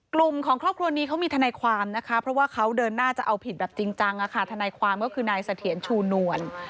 กลุ่มของครอบครัวนี้เขามีทนายความนะคะเพราะว่าเขาเดินหน้าจะเอาผิดแบบจริงจังทนายความก็คือนายเสถียรชูนวล